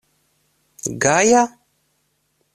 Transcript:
Gaja?